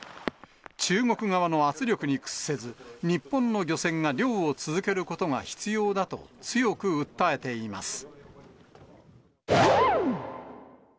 中国側の圧力に屈せず、日本の漁船が漁を続けることが必要だと強く訴えています。